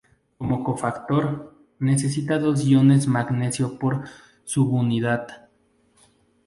Como cofactor, necesita dos iones magnesio por subunidad.